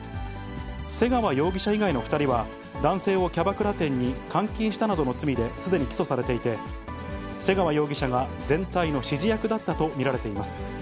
瀬川容疑者以外の２人は、男性をキャバクラ店に監禁したなどの罪ですでに起訴されていて、瀬川容疑者が全体の指示役だったと見られています。